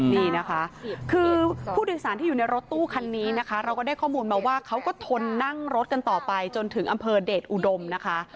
นี่นะคะคือผู้โดยสารที่อยู่ในรถตู้คันนี้นะคะเราก็ได้ข้อมูลมาว่าเขาก็ทนนั่งรถกันต่อไปจนถึงอำเภอเดชอุดมนะคะ